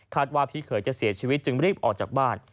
ว่าพี่เขยจะเสียชีวิตจึงรีบออกจากบ้าน